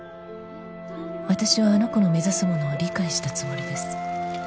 「私はあの子の目指すものを理解したつもりです」